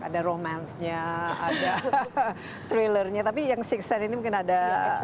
ada romance nya ada thriller nya tapi yang six sen ini mungkin ada